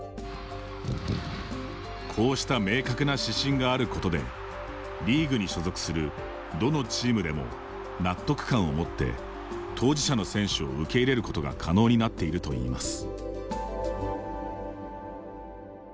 こうした明確な指針があることでリーグに所属するどのチームでも納得感をもって当事者の選手を受け入れることが可能になっているといいます。